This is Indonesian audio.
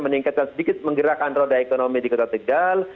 meningkatkan sedikit menggerakkan roda ekonomi di kota tegal